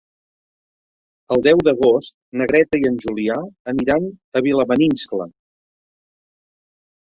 El deu d'agost na Greta i en Julià aniran a Vilamaniscle.